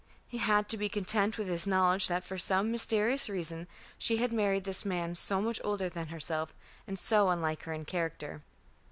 He had to be content with his knowledge that for some mysterious reason she had married this man so much older than herself and so unlike to her in character.